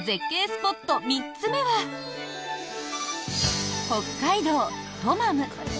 スポット３つ目は北海道トマム。